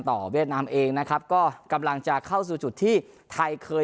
เวียดนามเองนะครับก็กำลังจะเข้าสู่จุดที่ไทยเคย